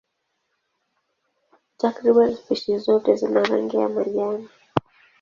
Takriban spishi zote zina rangi ya majani.